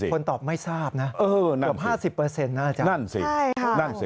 คุณตอบไม่ทราบนะเกือบ๕๐น่าจะ